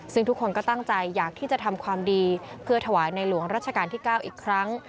ซึ่งทุกคนก็ตั้งใจอยากที่จะทำความดีเพื่อถวายในหลวงรัชกาลที่๙อีกครั้ง